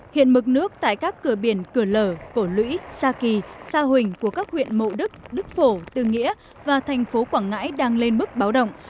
hiện mực nước tại các cửa biển cửa lở cổ lũy sa kỳ sa huỳnh của các huyện mộ đức đức phổ tư nghĩa và thành phố quảng ngãi đang lên mức báo động